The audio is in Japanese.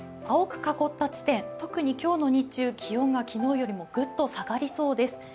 青く囲った地点、特に今日の日中、気温が昨日よりもぐっと下がりそうです。